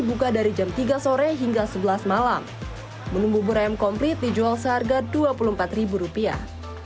buka dari jam tiga sore hingga sebelas malam menunggu bubur ayam komplit dijual seharga dua puluh empat rupiah